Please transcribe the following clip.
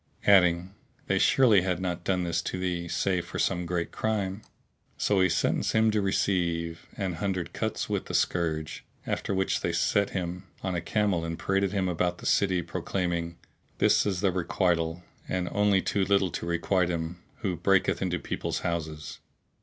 adding, "They surely had not done this to thee, save for some great crime." So he sentenced him to receive an hundred cuts with the scourge, after which they set him on a camel and paraded him about the city, proclaiming, "This is the requital and only too little to requite him who breaketh into people's houses."